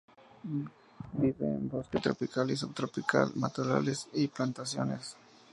Vive en bosque tropical y subtropical, matorrales y plantaciones.